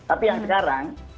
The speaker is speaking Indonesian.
tapi yang sekarang